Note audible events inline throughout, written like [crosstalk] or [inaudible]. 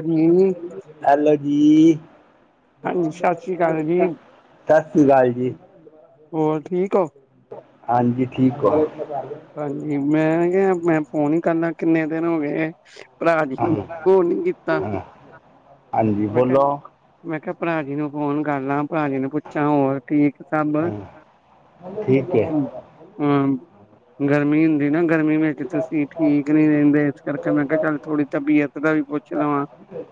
ਜੀ ਹੈਲੋ ਜੀ। ਹਾਂਜੀ ਸਤਿ ਸ੍ਰੀ ਅਕਾਲ ਜੀ ਸਾਸ੍ਰੀ ਕਾਲ ਜੀ। ਹੋਰ ਠੀਕ ਹੋ ਹਾਂਜੀ, ਠੀਕ ਓ? ਹਾਂਜੀ, ਮੈਂ ਕੇਆ ਮੈਂ ਫੋਨ ਈ ਕਾਰ ਲਾਂ ਕਿੰਨੇ ਦਿਨ ਹੋ ਗਏ। ਭਰਾ ਜੀ ਹਾਂ ਨੂੰ ਫੋਨ ਨੀ ਕੀਤਾ। ਹਾਂ ਹਾਂਜੀ, ਮੈਂ ਕਿਹਾ ਬੋਲੋ। ਮੈਂ ਕੇਆ ਭਰਾ ਜੀ ਨੂੰ ਫੋਨ ਕਾਰ ਲਾਂ, ਭਰਾ ਜੀ ਨੂੰ ਪੁੱਛਾ, ਹੋਰ ਠੀਕ ਸਬ? ਹਾਂ ਠੀਕ ਹੈ ਹੂੰ ਗਰਮੀ ਹੁੰਦੀ ਨਾ ਗਰਮੀ ਵਿਚ ਕਿ ਤੂਸੀ ਠੀਕ ਨੀ ਰੈਂਦੇ, ਇਸ ਕਾਰਕੇ ਮੈਂ ਕੇਆ ਕੱਲ ਥੋੜੀ ਤਬੀਅਤ ਦਾ ਵੀ ਪੁੱਛ ਲਵਾਂ?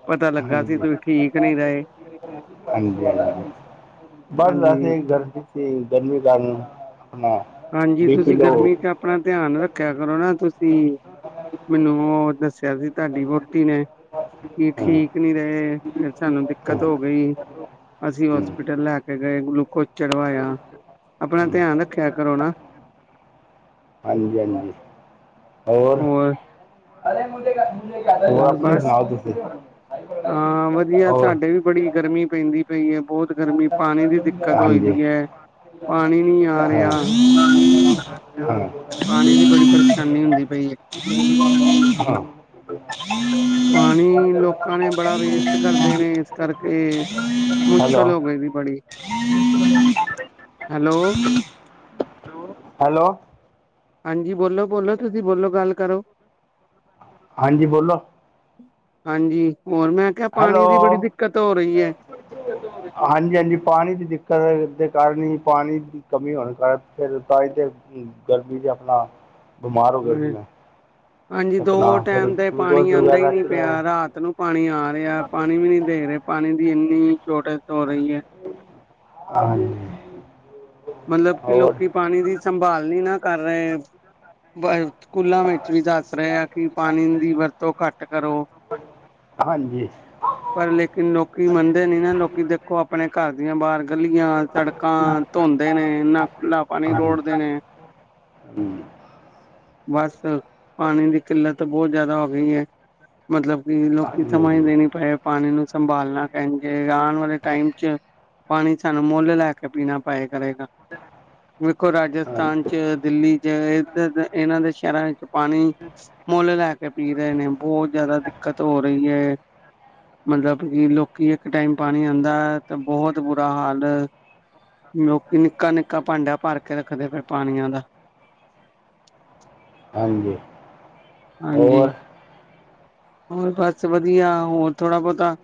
ਪਤਾ ਲੱਗਾ ਸੀ ਹਾਂਜੀ ਤੁਸੀਂ ਠੀਕ ਨਹੀਂ ਰਹੇ ਹਾਂਜੀ, ਹਾਂਜੀ ਬਾੱਸ ਹਾਂਜੀ ਵੈਸੇ ਗਰਮੀ ਸੀ, ਗਰਮੀ ਦਾ [unintelligible] ਮੈਂ ਹਾਂਜੀ ਤੂਸੀ ਗਰਮੀ ਚ ਆਪ ਅਪਣਾ ਧੇਆਨ ਰੱਖੇਆ ਕਰੋ ਨਾ ਤੂਸੀ, ਮੈਨੂੰ ਓ ਦੱਸੇਆ ਸੀ ਤੂਆਡੀ ਵੋਟੀ ਨੇ, ਕੀ ਹਾਂ ਠੀਕ ਨੀ ਰਹੇ ਫੇਰ ਸਾਨੂੰ ਹਾਂ ਦਿੱਕਤ ਹੋ ਹੂੰ ਗਈ। ਅਸੀਂ ਹੋਸਪਿਟਲ ਲੈ ਕੇ ਗਏ ਗਲੂਕੋਜ਼ ਚੜਵਾਏਆ ਅਪਨਾ ਹੂੰ ਧੇਆਨ ਰੱਖੇਆ ਕਰੋਂ ਨਾ। ਹਾਂਜੀ, ਹਾਂਜੀ ਹੋਰ? [unintelligible] ਹੋਰ, ਅਪਨੀ ਸੁਨਾਓ ਤੂਸੀ? ਆਂ ਵਦੀਆ ਸਾਡੇ ਵੀ ਬੜੀ ਗਰਮੀ ਪੈਂਦੀ ਪਈ ਐ, ਬੋਤ ਗਰਮੀ ਪਾਨੀ ਦੀ ਦਿੱਕਤ ਹੋਈ ਦੀ ਐ। ਹਾਂ [inaudible] ਤੇ ਪਾਣੀ ਦੀ ਬੜੀ ਪਰੇਸ਼ਾਨੀ ਹੁੰਦੀ ਪਈ ਏ। ਹਾਂ ਪਾਣੀ ਲੋਕਾਂ ਨੇ ਬੜਾ ਵੇਸਟ ਕਰਦੇ ਨੇ ਇਸ ਕਰਕੇ [inaudible] [inaudible] ਹੈਲੋ। ਮੁਸ਼ਕਿਲ ਹੋ ਗਈ ਦੀ ਬੜੀ ਹੈਲੋ [inaudible] ਹੈਲੋ। ਹਾਂਜੀ ਬੋਲੋ, ਬੋਲੋ ਤੂਸੀ ਬੋਲੋ ਗਾੱਲ ਕਰੋ। ਹਾਂਜੀ, ਬੋਲੋ? ਹਾਂਜੀ, ਹੋਰ ਮੈਂ ਕੇਆ ਹੈਲੋ ਪਾਣੀ ਦੀ ਬੜੀ ਦਿੱਕਤ ਹੋ ਰਈ ਐ। ਹਾਂਜੀ, ਹਾਂਜੀ ਪਾਣੀ ਦੀ ਦਿੱਕਤ ਦੇ ਕਾਰਨ ਈ ਪਾਣੀ ਦੀ ਕਮੀ ਹੋਨ ਕਾਰਨ ਫੇਰ ਤਾਂ ਈ ਤੇ ਗਰਮੀ ਚ ਆਪਨਾ ਬਮਾਰ ਹੋ ਗੇਆ ਸੀ ਹੈ ਮੈਂ। ਹਾਂਜੀ ਆਪਣਾ ਦੋ ਫਿਰ ਟੈਮ ਤੇ ਪਾਣੀ ਗਲੂਕੋਜ਼ ਆਂਦਾ ਈ ਵਗੈਰਾ ਨੀ ਚੜਾਇਆ ਪੇਆ, ਰਾਤ ਨੂੰ ਪਾਣੀ ਆ ਰੇਐ, ਪਾਣੀ ਵੀ ਨੀ ਦੇ ਰੇ। ਪਾਣੀ ਦੀ ਇੰਨੀ ਸੋ਼ਰਟੇਜ ਹੋ ਰਈ ਐ। ਹਾਂਜੀ। ਮਤਲਬ ਕਿ ਹੋਰ ਲੋਕੀ ਪਾਣੀ ਦੀ ਸੰਭਾਲ ਨੀ ਨਾ ਕਾਰ ਰਏ। ਬ ਸੂਕੂਲਾਂ ਵਿੱਚ ਵੀ ਦਾੱਸ ਰਏ ਆ ਕਿ ਪਾਣੀ ਦੀ ਵਰਤੋਂ ਘਾੱਟ ਕਰੋ। ਹਾਂਜੀ। ਪਰ ਲੇਕਿਨ ਲੋਕੀ ਮੰਨਦੇ ਨੀ ਨਾ, ਲੋਕੀ ਦੇਖੋ ਅਪਨੇ ਘਾਰ ਦੀਆਂ ਬਾਰ ਗਲੀਆਂ ਸੜਕਾਂ ਧੋਂਦੇ ਨੇ, ਇੰਨਾ ਖੁੱਲਾ ਪਾਣੀ ਰੋੜਦੇ ਨੇ। ਹੂੰ। ਬਾੱਸ ਪਾਨੀ ਦੀ ਕਿੱਲਤ ਬੋਤ ਜਾਦਾ ਹੋ ਗਈ ਐ। ਮਤਲਬ ਕਿ ਲੋਕੀ ਹਾਂਜੀ ਹਾਂਜੀ, ਸਮਜਦੇ ਨੀ ਪਏ ਪਾਨੀ ਨੂੰ ਸੰਭਾਲਨੈ। ਭੈਣ ਜੀ। ਆਉਣ ਵਾਲੇ ਟਾਈਮ ਚ ਪਾਣੀ ਸਾਨੂੰ ਮੁੱਲ ਲਾਇ ਕੇ ਪੀਣਾ ਪਏ ਕਰੇਗਾ। ਵੇਖੋ ਰਾਜਸਥਾਨ ਹਾਂਜੀ ਚ ਦਿੱਲੀ ਚ। ਇਹਨਾਂ ਦੇ ਸ਼ਹਿਰਾਂ ਵਿੱਚ ਪਾਣੀ। ਮੁੱਲ ਲੈ ਕੇ ਪੀ ਰਹੇ ਨੇ। ਬਹੁਤ ਜਿਆਦਾ ਦਿੱਕਤ ਹੋ ਰਹੀ ਹੈ। ਮਤਲਬ ਕਿ ਲੋਕੀ ਇੱਕ ਟਾਈਮ ਪਾਣੀ ਆਉਂਦਾ। ਤੇ ਬਹੁਤ ਬੁਰਾ ਹਾਲ ਲੋਕੀ ਨਿੱਕਾ ਨਿੱਕਾ ਭਾਂਡਾ ਭਰ ਕੇ ਰੱਖਦੇ ਪਏ। ਪਾਣੀਆਂ ਦੀਆਂ। ਹਾਂਜੀ। ਹਾਂਜੀ। । ਹੋਰ ਬਸ ਵਧੀਆ ਹੋਰ ਥੋੜਾ ਬੋਤਾ।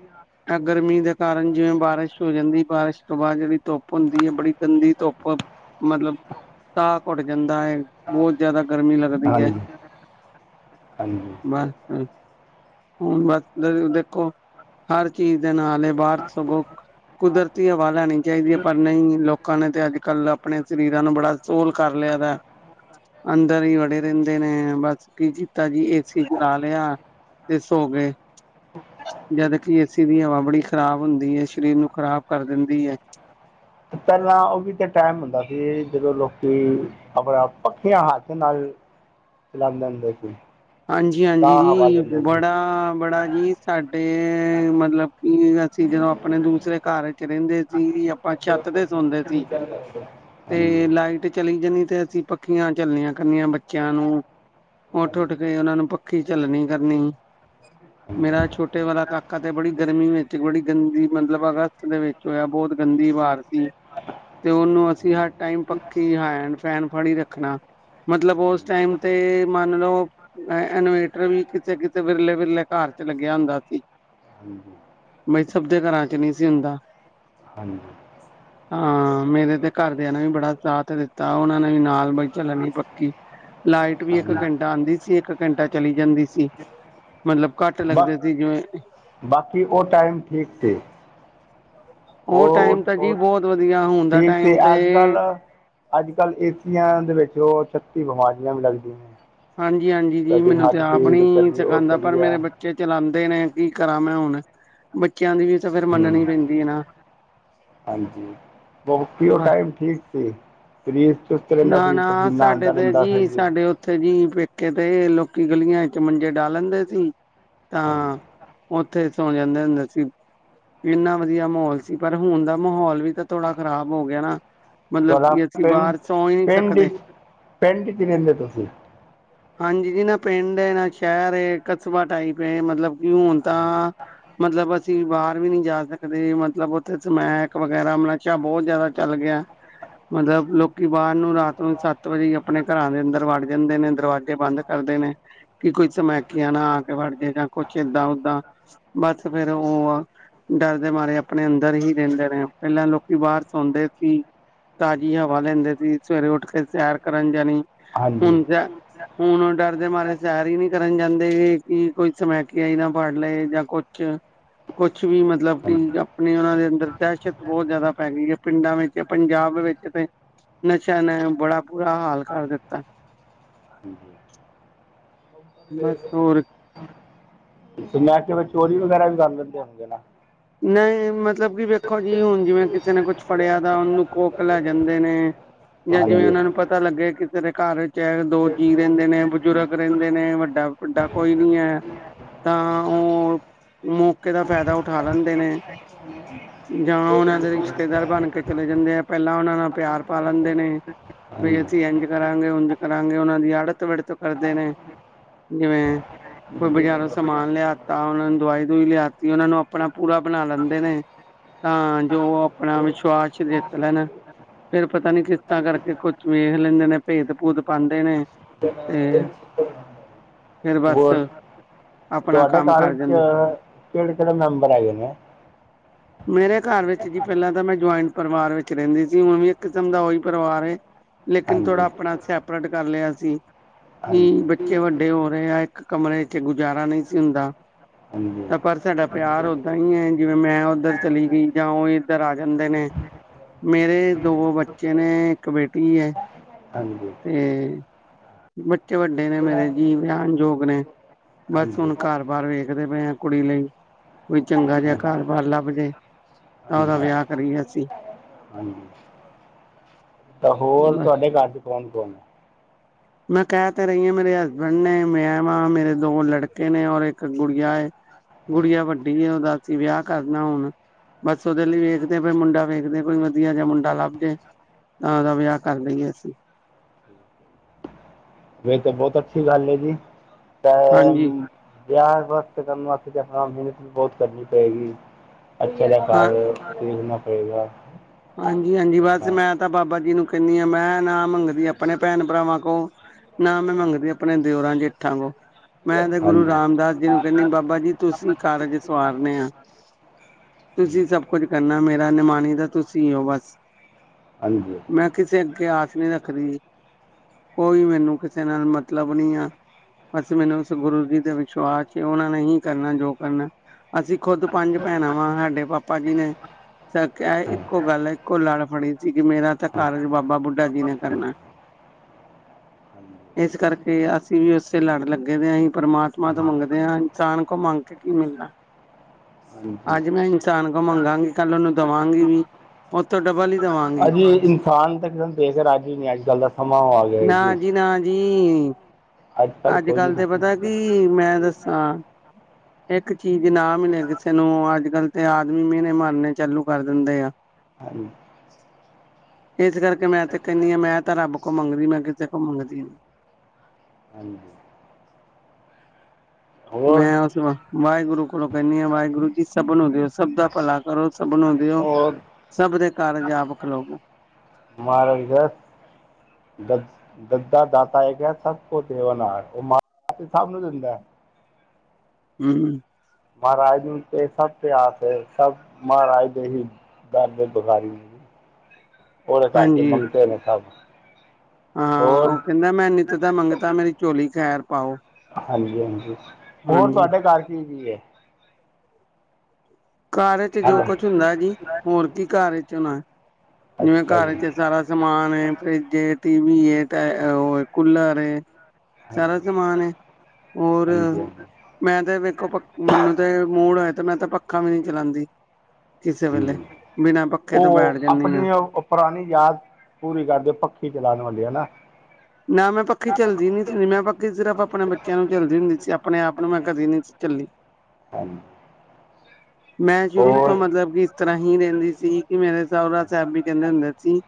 ਗਰਮੀ ਦੇ ਕਾਰਨ ਜਿਵੇਂ ਬਾਰਿਸ਼ ਹੋ ਜਾਂਦੀ। ਬਾਰਿਸ਼ ਤੋਂ ਬਾਦ ਜੇਹੜੀ ਧੁੱਪ ਹੁੰਦੀ ਐ। ਬੜੀ ਗੰਦੀ ਧੁੱਪ। ਮਤਲਬ ਸਾਹ ਘੋਟ ਜਾਂਦਾ ਏ। ਬੋਤ ਜਆਦਾ ਗਰਮੀ ਲੱਗਦੀ। ਹੈ ਹਾਂਸੀ। ਬਸ। ਹੁਣ ਬਸ ਦੇਖੋ। ਹਰ ਚੀਜ਼ ਦੇ ਨਾਲ ਏ ਬਾਰ ਸਗੋਂ। ਕੁਦਰਤੀ ਹਵਾ ਲੈਣੀ ਚਾਹੀਦੀ ਐ। ਪਰ ਨਈ ਲੋਕਾਂ ਨੇ ਤੇ ਅੱਜ ਕੱਲ੍ਹ ਅਪਣੇ ਸਰੀਰਾਂ ਨੂੰ ਬੜਾ। ਸੋਲ ਕਰ ਲਿਆ ਦਾ ਐ। ਅੰਦਰ ਈ ਵੜੇ ਰਹਿੰਦੇ ਨੇ ਬੱਸ ਕੀ ਜੀ। ਤਾ ਜੀ ਏਸੀ ਚਲਾ ਲਿਆ ਤੇ ਸੋ ਗਏ। ਜਦ ਕਿ ਏ ਸੀ ਦੀ ਹਵਾ ਬੜੀ ਖ਼ਰਾਬ ਹੁੰਦੀ ਐ। ਸਰੀਰ ਨੂੰ ਖ਼ਰਾਬ ਕਰ ਦਿੰਦੀ ਐ। ਪਹਿਲਾਂ ਓਹ ਵੀ ਤੇ ਟੈਮ ਹੁੰਦਾ ਸੀ। ਜਦੋਂ ਲੋਕੀ ਆਪਣਾ ਪੱਖੀਆਂ ਹੱਥ ਨਾਲ ਚਲਾਾਂਦੇ ਦੇ ਸੀ। ਹਾਂਜੀ ਤਾਂ ਹਾਂਜੀ ਹਵਾ ਜੀ। ਲੈਂਦੇ ਸੀ ਬੜਾ ਬੜਾ ਜੀ। ਸਾਡੇ ਮਤਲਬ ਅਸੀਂ ਜਦੋਂ ਅਪਣੇ ਦੂਸਰੇ ਘਰ ਚ ਰਹਿੰਦੇ ਸੀ। ਆਪਾਂ ਹਾਂਜੀ ਛੱਤ ਹਾਂਜੀ ਤੇ ਸੌਦੇ ਸੀ। [inaudible] ਤੇ ਲਾਈਟ ਚਲੀ ਜਾਨੀ ਤੇ ਅਸੀ ਪੱਖੀਆਂ ਚੱਲਣੀਆਂ ਕਰਨੀਆਂ। ਬੱਚੇਆਂ ਨੂੰ ਉਠ - ਹਾਂਜੀ ਉੱਠ ਤੇ ਓਹਨਾ ਨੂੰ ਪੱਖੀ ਝੱਲਣੀ ਕਰਨੀ। । ਮੇਰਾ ਛੋਟੇ ਵਾਲਾ ਕਾਕਾ ਤੇ ਬੜੀ ਗਰਮੀ ਵਿੱਚ ਬੜੀ ਗੰਦੀ ਮਤਲਬ ਅਗਸਤ ਦੇ ਵਿੱਚ। ਜੋ ਐ ਬੋਤ ਗੰਦੀ ਬਾਰ ਸੀ। ਤੇ ਔਨੂੰ ਅਸੀ ਹਰ ਟਾਈਮ ਪੱਖੀ ਹੈਂਡ ਫੈਨ ਫੜੀ ਰੱਖਣਾ। ਮਤਲਬ ਓਸ ਟਾਈਮ ਤੇ ਮੰਨ ਲਓ। ਅ ਇਨਵੇਟਰ ਵੀ ਕਿਸੇ - ਕਿਸੇ ਵਿਰਲੇ ਵਰਲੇ ਘਰ ਚ ਲੱਗਿਆ ਹੁੰਦਾ ਸੀ। ਹਮ। ਬਈ ਸਭ ਦੇ ਘਰਾਂ ਚ ਨੀ ਸੀ ਹੁੰਦਾ। [unintelligible] ਹਾਂ ਮੇਰੇ ਤੇ ਘਰਦਿਆਂ ਨੇ ਵੀ ਬੜਾ ਸਾਥ ਦਿੱਤਾ। ਔਨਾਂ ਨੇ ਵੀ ਨਾਲ ਬਈ ਝੱਲਣੀ ਪੱਕੀ। ਲਾਈਟ ਵੀ ਇੱਕ ਘੰਟਾ ਹਾਂਜੀ ਆਉਂਦੀ ਸੀ। ਇੱਕ ਘੰਟਾ ਚਲੀ ਜਾਂਦੀ ਸੀ। ਮਤਲਬ ਘੱਟ ਬਸ ਲੱਗਦੇ ਸੀ ਜਿਵੇਂ? ਬਾਕੀ ਉਹ ਟਾਈਮ ਠੀਕ ਸੀ। ਉਹ ਟਾਈਮ ਤਾਂ ਜੀ, ਬਹੁਤ ਵਧੀਆ। ਹੁਣ ਦਾ ਠੀਕ ਟਾਈਮ ਤੇ ਅੱਜ ਕੱਲ ਅੱਜ ਕੱਲ੍ਹ ਏ ਸੀਆਂ ਦੇ ਵਿੱਚ। ਉਹ ਛੱਤੀ ਬਿਮਾਰੀਆਂ ਵੀ ਲੱਗਦੀਆਂ ਨੇ। ਹਾਂਜੀ- ਹਾਂਜੀ ਜੀ। ਕਦੀ ਮੈਨੂੰ ਤੇ ਹੱਡ ਆਪ ਪੀੜ ਨਹੀਂ ਕਦੀ ਉਹ ਸਿਖਾਉਂਦਾ। ਪਰ ਕਦੀ ਆ ਮੇਰੇ ਬੱਚੇ। ਬੱਚੇ ਚਲਾਉਦੇ ਨੇ ਕੀ ਕਰਾਂ। ਮੈਂ ਹੁਣ ਬੱਚਿਆਂ ਦੀ ਵੀ ਤਾਂ ਫਿਰ ਹਮ ਮੰਨਣੀ ਪੈਂਦੀ ਹੈ ਨਾ। ਹਾਂਜੀ। ਬਾਕੀ ਉਹ ਬ ਟਾਈਮ ਠੀਕ ਸੀ। ਸਰੀਰ ਚੁਸਤ ਰਹਿੰਦਾ ਸੀ। ਨਾ-ਨਾ ਪਸੀਨਾ ਸਾਡੇ ਆਉਂਦਾ ਤੇ ਰਹਿੰਦਾ ਸੀ ਜੀ। ਸਾਡੇ ਉੱਥੇ ਜੀ ਪੇਕੇ ਤੇ ਲੋਕੀ ਗਲੀਆਂ ਚ ਮੰਜੇ ਡਾਹ ਲੈਂਦੇ ਸੀ। ਹਾਂਜੀ ਤਾਂ ਉੱਥੇ ਸੌ ਜਾਂਦੇ ਹੁੰਦੇ ਸੀ। ਏਨਾ ਵਧੀਆ ਮਾਹੌਲ ਸੀ। ਪਰ ਹੁਣ ਦਾ ਮਾਹੌਲ ਵੀ ਤਾਂ ਥੋੜਾ ਖ਼ਰਾਬ ਹੋ ਗਿਆ ਨਾ। ਮਤਲਬ ਤੁਹਾਡਾ ਕਿ ਅਸੀਂ ਪਿੰਡ ਬਾਰ ਸੌ ਈ ਨੀ ਪਿੰਡ ਸਕਦੇ। ਚ ਪਿੰਡ ਚ ਰਹਿੰਦੇ ਤੁਸੀ? ਹਾਂਜੀ ਜੀ। ਨਾ ਪਿੰਡ ਏ ਨਾ ਸ਼ਹਿਰ ਏ ਕਸਬਾ। ਟਾਈਪ ਏ ਮਤਲਬ ਕਿ ਹੋਣ। ਤਾਂ ਮਤਲਬ। ਅਸੀਂ ਬਾਰ ਵੀ ਨੀ ਜਾ ਸਕਦੇ। ਮਤਲਬ ਔਥੇ ਹਾਂਜੀ ਸਮੈਕ ਵਗੈਰਾ ਮ ਨਸ਼ਾ ਬੋਤ ਜ਼ਆਦਾ ਚੱਲ ਗਿਆ ਐ। ਮਤਲਬ ਲੋਕੀ ਬਾਰ ਨੂੰ ਰਾਤ ਨੂੰ ਸੱਤ ਵਜੇ ਈ। ਆਪਣੇ ਘਰਾਂ ਦੇ ਅੰਦਰ ਵੜ ਜਾਂਦੇ ਨੇ। ਦਰਵਾਜ਼ੇ ਬੰਦ ਕਰਦੇ ਨੇ। ਕਿ ਕੋਈ ਸਮਮੈਕੀਆਂ ਨਾ ਆ ਕੇ ਵੜ ਜੇ ਜਾਂ ਕੁਛ ਏਦਾਂ ਓਦਾਂ ਬਸ ਫੇਰ ਔ। ਡਰ ਦੇ ਮਾਰੇ ਅਪਣੇ ਅੰਦਰ ਈ ਰਹਿੰਦੇ ਨੇ। ਪਹਿਲਾਂ ਲੋਕੀ ਬਾਰ ਸੌਂਦੇ ਸੀ। ਤਾਜ਼ੀ ਹਵਾ ਲੈਂਦੇ ਸੀ। ਸਵੇਰੇ ਉੱਠ ਕੇ ਸੈਰ ਕਰਨ ਜਾਣੀ। ਹਾਂਜੀ। ਹੁਣ ਹੁਣ ਓ ਡਰਦੇ ਮਾਰੇ ਸੈਰ ਈ ਨੀ ਕਰਨ ਜਾਂਦੇ। ਕਿ ਕੋਈ ਸਮੈਕੇਆ ਈ ਨਾ ਫੜ ਲਏ। ਜਾਂ ਕੁਛ। ਕੁਛ ਵੀ ਮਤਲਬ ਕਿ ਅਪਣੇ ਓਨਾਂ ਦੇ ਅੰਦਰ ਦਹਿਸ਼ਤ ਬੋਤ ਜ਼ਆਦਾ ਪੈ ਗਈ ਐ। ਪਿੰਡਾਂ ਵਿੱਚ ਪੰਜਾਬ ਵਿੱਚ। ਤੇ ਨਸ਼ਿਆਂ ਨੇ। ਬੜਾ ਬੁਰਾ ਹਾਲ ਕਰ ਦਿੱਤਾ। ਹਾਂਜੀ। ਬਸ ਹੋਰ [inaudible] ਮੈਂ ਕੇ ਚੋਰੀ ਵਗੈਰਾ ਵੀ ਕਰ ਦਿੰਦੇ ਹੁੰਦੇ ਨਾਂ। ਨਹੀਂ ਮ। ਮਤਲਬ ਕਿ ਵੇਖੋ ਜੀ ਵਹੁਣ ਜਿਵੇਂ ਕਿਸੇ ਨੇ ਕੁਛ ਫੜਿਆ ਤਾਂ। ਉਹਨੂੰ ਖੋ ਕੇ ਲੈ ਜਾਂਦੇ ਨੇ। ਜਾਂ ਜਿਵੇਂ ਹਾਂਜੀ ਉਹਨਾਂ ਨੂੰ ਪਤਾ ਲੱਗਿਆ। ਕਿਸੇ ਦੇ ਘਰ ਚ ਦੋ ਜੀਅ ਰਿੰਦੇ ਨੇ ਬਜ਼ੁਰਗ। ਰਹਿੰਦੇ ਨੇ ਵੱਡਾ- ਵੱਡਾ ਕੋਈ ਨੀ ਹੈ। ਤਾਂ, ਉਹ ਮੌਕੇ ਦਾ ਫਾਇਦਾ ਉੱਠਾ ਲੈਂਦੇ ਨੇ। ਜਾਂ ਉਹਨਾਂ ਦੇ ਰਿਸ਼ਤੇਦਾਰ ਬਣ ਕੇ ਚਲੇ ਜਾਂਦੇ ਆ। ਪਹਿਲਾਂ ਉਹਨਾਂ ਨਾਲ ਪਿਆਰ ਪਾ ਲੈਂਦੇ ਨੇ। ਵੀ ਹਾਂਜੀ ਅਸੀਂ ਇੰਝ ਕਰਾਂਗੇ, ਉਝ ਕਰਾਂਗੇ। ਉਹਨਾਂ ਦੀ ਆੜਤ ਵੜਤ ਕਰਦੇ ਨੇ। ਜਿਵੇਂ ਕੋਈ ਬਜ਼ਾਰੋਂ ਸਮਾਨ ਲਿਆਤਾ। ਉਹਨਾਂ ਨੂੰ ਦਵਾਈ ਦੂਈ ਲਿਆਤੀ। ਉਹਨਾਂ ਨੂੰ ਆਪਣਾ ਪੂਰਾ ਬਣਾ ਲੈਂਦੇ ਨੇ। ਤਾਂ ਜੋ ਆਪਣਾ ਵਿਸ਼ਵਾਸ ਜਿੱਤ ਲੈਣ। ਫੇਰ ਪਤਾ ਨੀ। ਕਿਸ਼ਤਾਂ ਕਰਕੇ ਕੁੱਝ ਵੇਖ ਲੈਂਦੇ ਨੇ। ਭੇਤ- ਭੂਤ ਪਾਉਂਦੇ ਨੇ। ਤੇ ਫੇਰ ਬੱਸ ਹੋਰ ਸ। ਤੁਹਾਡੇ ਘਰ ਵਿੱਚ ਕਿਹੜੇ -ਕਿਹੜੇ ਮੈਂਬਰ ਹੈਗੇ ਨੇ। ਮੇਰੇ ਘਰ ਵਿੱਚ ਜੀ ਪਹਿਲਾਂ ਤਾਂ ਮੈਂ ਜੁਆਇੰਟ ਪਰਿਵਾਰ ਵਿੱਚ ਰਹਿੰਦੀ ਸੀ। ਹੁਣ ਵੀ ਇੱਕ ਕਿਸਮ ਦਾ ਉਹੀ ਪਰਿਵਾਰ ਹੈ। ਲੇਕਿਨ। ਥੋੜਾ ਹਾਂਜੀ ਆਪਣਾ ਸੈਪਰੇਟ ਕਰ ਲਿਆ ਸੀ। ਕੀ, ਹਾਂਜੀ ਬੱਚੇ ਵੱਡੇ ਹੋ ਰਹੇ ਆ। ਇੱਕ ਕਮਰੇ ਚ ਗੁਜ਼ਾਰਾ ਨਹੀਂ ਸੀ ਹੁੰਦਾ। ਹਾਂਜੀ ਹਾਂਜੀ ਤਾਂ, ਪਰ ਸਾਡਾ ਪਿਆਰ ਓਦਾਂ ਹੀ ਹੈ। ਜਿਵੇਂ ਮੈਂ ਇੱਧਰ ਚਲੀ ਗਈ। ਜਾਂ ਉਹ ਇੱਧਰ ਆ ਜਾਂਦੇ ਨੇ ਮੇਰੇ ਦੋ ਬੱਚੇ ਨੇ ਇੱਕ ਬੇਟੀ ਹੈ। ਹਾਂਜੀ ਅਤੇ। ਬੱਚੇ ਵੱਡੇ ਨੇ ਮੇਰੇ ਜੀ ਵਿਆਣਯੋਗ ਨੇ। ਬਸ ਹਾਂਜੀ ਹੁਣ ਘਰ ਬਾਹਰ ਵੇਖਦੇ ਪਏ ਆ ਕੁੜੀ ਲਈ। ਕੋਈ ਚੰਗਾ ਜਿਹਾ ਘਰ ਬਾਹਰ ਲੱਭ ਜੇ। ਤਾਂ ਉਹਦਾ ਹਾਂਜੀ ਵਿਆਹ ਕਰੀਏ ਅਸੀਂ ਹਾਂਜੀ ਤਾਂ ਹੋਰ ਬਸ ਤੁਹਾਡੇ ਘਰ ਚ ਕੌਣ ਕੌਣ ਹੈ। ਮੈਂ ਕਹਿ ਤੇ ਰਹੀ ਹਾਂ। ਮੇਰੇ ਹਸਬੈਂਡ, ਨੇ ਮੈਂਮਾਂ ਮੇਰੇ ਦੋ ਲੜਕੇ ਨੇ ਔਰ ਇੱਕ ਗੁੜਆ। ਗੁੜੀਆ ਵੱਡੀ ਉਹਦਾ ਅਸੀਂ ਵਿਆਹ ਕਰਨਾ ਹੁਣ। ਬਸ ਉਹਦੇ ਲਈ ਵੇਖਦੇਈ ਮੁੰਡਾ ਵੇਖਦੇ ਕੋਈ ਵਧੀਆ ਜਿਹਾ ਮੁੰਡਾ ਲੱਭ ਜੇ। ਤਾਂ ਦਾ ਵਿਆਹ ਕਰ ਲਈਏ। ਅਸੀਂ ਫੇਰ ਤਾਂ ਬਹੁਤ ਅੱਛੀ ਗੱਲ ਏ ਜੀ। ਹਾਂਜੀ। ਵਿਆਹ ਵਾਸ ਕਰਨ ਵਾਸਤੇ ਆਪਣਾ ਮਿਹਨਤ ਵੀ ਬਹੁਤ ਕਰਨੀ ਪਏਗੀ। ਅੱਛ ਹਾਂ ਦਾਕਾਰਣਾ ਪਏਗਾ। ਹਾਂਜੀ- ਹਾਂਜੀ ਬਸ ਆਪਣਾ ਮੈਂ ਤਾਂ ਬਾਬਾ ਜੀ ਨੂੰ ਕਹਿੰਦੀ ਆਾਂ। ਮੈਂ ਨਾ ਮੰਗਦੀ ਆਪਣੇ ਭੈਣ- ਭਰਾਵਾਂ ਕੋਲ ਨਾ ਮੈਂ ਮੰਗਦੀ ਆਪਣੇ ਦਿਓਰਾਂ - ਜੇਠਾਂ ਕੋਲ ਮੈਂ ਤੇ ਗੁਰੂ ਰਾਮਦਾਸ ਜੀ ਨੂੰ ਕਹਿੰਦੀ। ਬਾਬਾ ਜੀ ਤੁਸੀਂ ਕਾਰਜ ਸਵਾਰਨ ਆ। ਹਾਂਜੀ ਤੁਸੀਂ ਸਭ ਕੁਝ ਕਰਨਾ। ਮੇਰਾ ਨਮਾਨ ਤਾਂ ਤੁਸੀਂ ਹੋ ਬਸ। ਹਾਂਜੀ ਮੈਂ ਕਿਸੇ ਅੱਗੇ ਆਸ ਨੀ ਰੱਖਦੀ। ਕੋਈ ਮੈਨੂੰ ਕਿਸੇ ਨਾਲ ਮਤਲਬ ਨੀ ਆ। ਬਸ ਮੈਨੂੰ, ਉਸ ਗੁਰੂ ਜੀ ਦੇ ਵਿਸ਼ਵਾਸ ਚ ਉਹਨਾਂ ਨੇ ਹੀ ਕਰਨਾ ਜੋ ਕਰਨਾ ਅਸੀਂ ਖੁੱਦ ਪੰਜ ਭੈਣ ਵਾਂ, ਸਾਡੇ ਪਾਪਾ ਜੀ ਨੇ ਕ ਇੱਕੋ ਹਾਂ ਗੱਲ ਇੱਕੋ ਲੜ ਫੜੀ ਸੀ, ਕਿ ਮੇਰਾ ਤਾਂ ਕਾਰਜ ਬਾਬਾ ਬੁੱਢਾ ਜੀ ਨੇ ਕਰਨਾ [unintelligible] ਇਸ ਕਰਕੇ, ਅਸੀਂ ਵੀ ਉਸੇ ਲੜ ਲੱਗੇ ਦੇ ਹਾਂ ਹੀ ਪਰਮਾਤਮਾ ਤੋਂ ਮੰਗਦੇ ਹਾਂ, ਇਨਸਾਨ ਕੋਲ ਮੰਗ ਕੇ ਕੀ ਮਿਲਣਾ। [unintelligible] ਹਾਂਜੀ ਅੱਜ ਮੈਂ ਇਨਸਾਨ ਕੋਲ ਮੰਗਾਂਗੀ, ਕੱਲ ਉਹਨੂੰ ਦੇਵਾਂਗੀ ਵੀ ਉਥੋਂ ਡਬਲ ਹੀ ਦੇਵਾਂਗੀ ਅੱਜੇ ਇਨਸਾਨ ਤਾਂ ਕਿਸੇ ਨੂੰ ਦੇਖ ਰਾਜ਼ੀ ਨਹੀਂ ਅਜ-ਕੱਲ ਦਾ ਸਮਾਂ ਮਾਹੋਲ ਨਾ ਜੀ ਨਾ ਜੀ ਅੱਜ ਕੱਲ੍ਹ ਕੋਈ ਨਹੀਂ ਅੱਜ-ਕੱਲ ਤੇ ਕਿਸੇ ਪਤਾ ਕੀ ਮੈਂ ਨੂੰ ਦੱਸਾਂ ਇੱਕ ਚੀਜ਼ ਨਾ ਮਿਲੇ ਕਿਸੇ ਨੂੰ ਅੱਜ-ਕੱਲ ਤੇ ਆਦਮੀ ਮੇਨੇ ਮਾਰਨੇ ਚਾਲੂ ਕਰ ਦਿੰਦੇ ਆ ਹਾਂਜੀ ਇਸ ਕਰਕੇ ਮੈਂ ਤੇ ਕਹਿੰਦੀ ਹਾਂ ਮੈਂ ਤਾਂ ਰੱਬ ਕੋਲ ਮੰਗਦੀ ਮੈਂ ਕਿਸੇ ਕੋਲ ਮੰਗਦੀ ਨੀ ਹੂੰ, ਹੋਰ ਮੈਂ ਉਸ ਬ ਵਾਹਿਗੁਰੂ ਕੋਲੋਂ ਕਹਿੰਨੀ ਆ ਵਾਹਿਗੁਰੂ ਜੀ ਸਭ ਨੂੰ ਦਿਓ ਸਭ ਦਾ ਭਲਾ ਕਰੋ ਸਭ ਨੂੰ ਦਿਓ ਹੋਰ ਸਭ ਦੇ ਕਾਰਜ ਆਪ ਖਾਲਵੋ ਮਹਾਰਾਜ ਦੱਸ ਦੱਦਾ ਦਾਤਾ ਏਕ ਹੇ ਸਭ ਕੋ ਦੇਵਣਹਾਰ ਉਹ ਮਾਲਿਕ ਸਭ ਨੂੰ ਦਿੰਦਾ ਹੈ ਹੂੰ, ਮਹਾਰਾਜ ਨੂੰ ਤੇ ਸਭਤੇ ਆਸ ਏ, ਸਭ ਮਹਾਰਾਜ ਦੇ ਹੀ ਦਰਦੇ ਭੇਖਾਰੀ ਓਹਦੇ ਘਰ ਦੇ ਹਾਂਜੀ ਮੰਗਤੇ ਨੇ ਸਭ ਹਾਂ ਹੋਰ ਉਹ ਕਹਿੰਦਾ ਮੈਂ ਨਿਤ ਦਾ ਮੰਗਤਾ ਮੇਰੀ ਝੋਲੀ ਖੈਰ ਪਾਓ ਹਾਂਜੀ-ਹਾਂਜੀ, ਹੋਰ ਹਾਂਜੀ। ਤੁਹਾਡੇ ਘਰ ਕੀ-ਕੀ ਹੈ? ਘਰ ਚ ਜੋ ਹੈਲੋ ਕੁਝ ਹੁੰਦਾ ਜੀ, ਹੋਰ ਕੀ ਘਰ ਵਿਚ ਹੋਣਾ ਜਿਵੇਂ ਅੱਛਾ ਘਰ ਜੀ ਚ ਹਾਂਜੀ ਸਾਰਾ ਸਮਾਨ ਏ ਫਿ੍ਜ ਜੇ ਟੀ ਵੀ ਐ, ਔ ਉਹ ਕੂਲਰ ਹੈ ਸਾਰਾ ਹਾਂਜੀ ਸਮਾਨ ਹੈ ਹੋਰ ਹਾਂਜੀ ਮੈਂ ਤੇ ਵੇਖੋ, ਮੈਨੂੰ ਤੇ ਮੂੜ ਹੋਇਆ ਤੇ ਮੈਂ ਤੇ ਪ ਨਹੀਂ ਚਲਾਉਂਦੀ ਕਿਸੇ ਵੇਲੇ ਹੂੰ ਬਿਨਾਂ ਪੱਖੇ ਤੋਂ ਉਹ ਬੈਠ ਜਾਂਦੀ ਹਾਂ ਆਪਣੀ ਪੁਰਾਣੀ ਯਾਦ ਪੂਰੀ ਕਰਦੇ ਪੱਖੀ ਚਲਾਉਣ ਵਾਲੀ ਹਨਾ ਨਾ ਮੈਂ ਪੱਖੀ ਚੱਲਦੀ ਨੀ ਸੀ ਮੈਂ ਪ ਸਿਰਫ਼ ਆਪਣੇ ਬੱਚਿਆਂ ਨੂੰ ਝੱਲਦੀ ਹੁੰਦੀ ਸੀ, ਆਪਣੇ ਆਪ ਨੂੰ ਮੈਂ ਕਦੀ ਨੀ ਸੀ ਝੱਲੀ [unintelligible] ਮੈਂ ਸ਼ੁਰੂ ਤੋਂ ਹੋਰ ਮਤਲਬ, ਕਿ ਇਸ ਤਰ੍ਹਾਂ ਹੀ ਰਹਿੰਦੀ ਸੀ ਕਿ ਮੇਰੇ ਸਹੁਰਾ ਸਾਹਿਬ ਵੀ ਕਹਿੰਦੇ ਹੁੰਦੇ ਸੀ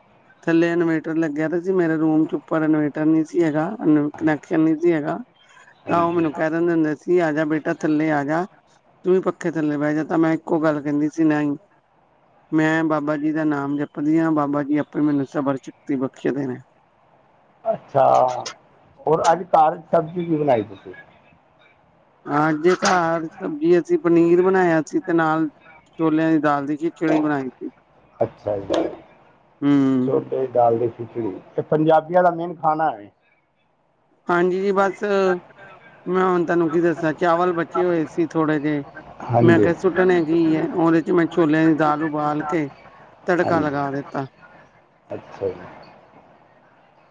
ਥੱਲੇ ਇਨਵੇਰਟਰ ਲੱਗਿਆ ਤੇ ਸੀ ਮੇਰੇ ਰੂਮ ਚ ਉੱਪਰ ਇਨਵੇਟਰ ਨਹੀਂ ਸੀ ਹੈਗਾ, ਕਨੈਕਸ਼ਨ ਨਹੀਂ ਸੀ ਹੈਗਾ ਤਾਂ ਉਹ ਹਾਂਜੀ ਮੈਨੂੰ ਕਹਿ ਦਿੰਦੇ ਹੁੰਦੇ ਸੀ, ਆਜਾ ਬੇਟਾ ਥੱਲੇ ਆ ਜਾ ਤੂੰ ਵੀ ਪੱਖੇ ਥੱਲੇ ਬਹਿ ਜਾ ਤਾਂ ਮੈਂ ਇੱਕੋ ਗੱਲ ਕਹਿੰਦੀ ਸੀ ਨਈ ਹੀ ਮੈਂ ਬਾਬਾ ਜੀ ਦਾ ਨਾਮ ਜਪਦੀ ਹਾਂ, ਬਾਬਾ ਜੀ ਆਪੇ ਮੈਨੂੰ ਸਬਰ ਸਕਤੀ ਬਖਸ਼ਦੇ ਨੇ ਅੱਛਾ, ਹੋਰ ਅੱਜ ਘਰ ਸਬਜ਼ੀ ਕਿ ਬਣਾਈ ਤੁਸੀਂ? ਹਾਂਜੀ ਹਾ, ਘਰ ਸਬਜ਼ੀ ਅਸੀਂ ਪਨੀਰ ਬਣਾਇਆ ਸੀ, ਤੇ ਨਾਲ ਛੋਲਿਆਂ ਦੀ ਦਾਲ ਦੀ ਖਿਚੜੀ ਬਣਾਈ ਸੀ। ਅੱਛਾ ਜੀ। ਹੂੰ, ਦਾਲ ਤੇ ਖਿੱਚੜੀ, ਇਹ ਪੰਜਾਬੀਆਂ ਦਾ ਮੇਨ ਖਾਣਾ ਹੈ। ਹਾਂਜੀ ਜੀ ਬਸ ਮੈਂ ਹੁਣ ਤੇਨੂੰ ਕੀ ਦੱਸਾਂ ਚਾਵਲ ਬਚੇ ਹੋਏ ਸੀ ਥੋੜੇ ਜਿਹੇ ਮੈਂ ਹਾਂਜੀ ਕਿਹਾ ਸੁੱਟਣੇ ਨੀ ਏ ਉਹਦੇ ਚ ਮੈਂ ਛੋਲਿਆਂ ਦੀ ਦਾਲ ਉਬਾਲ ਕੇ ਤੜਕਾ ਲਗਾ ਹਾਂਜੀ ਦਿੱਤਾ ਅੱਛਾ ਜੀ।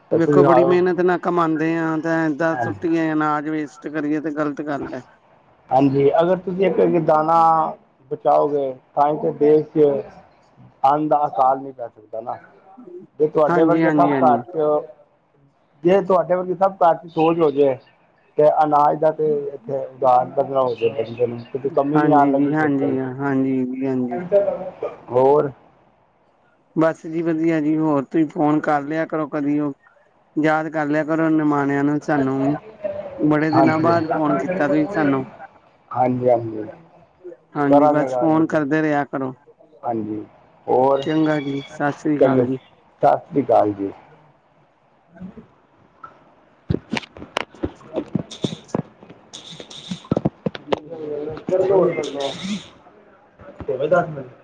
ਤੇ ਵੇਖੋ ਤੁਸੀਂ ਬੜੀ ਆਓ ਮੇਹਨਤ ਨਾ ਕਮਾਂਦੇ ਆ, ਤਾਂ ਏਦਾਂ ਹਾਂਜੀ ਸੁੱਟੀਏ ਅਨਾਜ ਵੇਸਟ ਕਰੀਏ ਤੇ ਗਲਤ ਗੱਲ ਐ। ਹਾਂਜੀ, ਅਗਰ ਤੂਸੀ ਏਕ-ਏਕ ਦਾਣਾ ਬਚਾਓਗੇ ਤਾਂਈ ਤੇ ਦੇਸ਼ ਚ ਅੰਨ ਦਾ ਅਕਾਲ ਨੀ ਪੈ ਸਕਦਾ ਨਾ, ਜੇ ਤੂਆਡੇ ਵਰਗੇ ਸਬ ਘਾਰ ਹਾਂਜੀ-ਹਾਂਜੀ-ਹਾਂਜੀ, ਚ ਜੇ ਤੂਆਡੇ ਵਰਗੀ ਸਬ ਘਾਰ ਦੀ ਸੋਚ ਹੋਜੇ, ਤੇ ਅਨਾਜ ਦਾ [inaudible] ਹੂੰ ਜੀ ਹਾਂਜੀ। ਹੋਰ? ਬਾਸ ਜੀ ਵਧੀਆ ਜੀ, ਹੋਰ ਤੂਸੀ ਫੋਨ ਕਾਰ ਲੇਆ ਕਰੋ ਕਦੀ ਉ, ਯਾਦ ਕਾਰ ਲੇਆ ਕਰੋ ਨਿਮਾਣੇਆਂ ਨੂੰ ਸਾਨੂੰ ਵੀ, ਬੜੇ ਦਿਨਾਂ ਹਾਂਜੀ ਬਾਦ ਫੋਨ ਕੀਤਾ ਤੂਸੀ ਸਾਨੂੰ ਹਾਂਜੀ, ਹਾਂਜੀ ਹਾਂਜੀ ਕਰਾਂਗੇ ਬਸ ਰਾਲ ਮਿਲ ਫੋਨ ਕੇ, ਕਰਦੇ ਰਿਹਾ ਕਰੋ ਹਾਂਜੀ। ਹੋਰ ਚੰਗਾ ਜੀ ਸਤਿ ਸ੍ਰੀ ਚਲੋ, ਅਕਾਲ ਜੀ ਸਾਸ੍ਰੀ ਕਾਲ ਜੀ। ਹਾਂਜੀ। [inaudible] [inaudible]